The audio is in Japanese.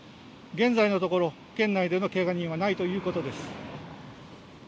現在のところ、県内での怪我人はないということです。